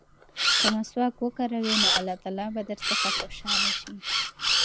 که مسواک وکاروې نو الله تعالی به درڅخه خوشحاله شي.